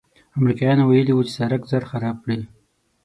امریکایانو ویلي و چې سړک ژر خراب کړي.